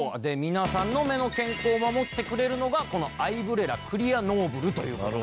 皆さんの目の健康を守ってくれるのがこのアイブレラクリアノーブルという事なんです。